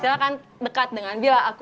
silahkan dekat dengan bila aku